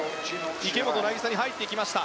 池本、第３に入っていきました。